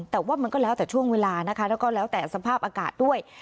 แต่ว่ามันก็แล้วแต่ช่วงเวลานะคะแล้วก็แล้วแต่สภาพอากาศด้วย